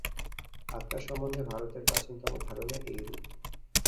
আত্মা সম্বন্ধে ভারতের প্রাচীনতম ধারণা এইরূপ।